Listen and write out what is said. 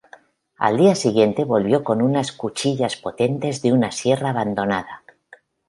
Al día siguiente volvió con unas cuchillas potentes de una sierra abandonada.